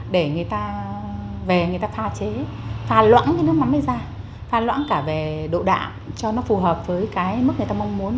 để người ta về người ta pha chế pha loãng cái nước mắm này ra pha loãng cả về độ đạm cho nó phù hợp với cái mức người ta mong muốn